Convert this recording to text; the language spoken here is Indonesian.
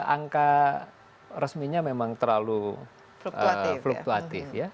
angka resminya memang terlalu fluktuatif ya